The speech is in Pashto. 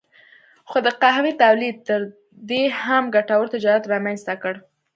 خو د قهوې تولید تر دې هم ګټور تجارت رامنځته کړ.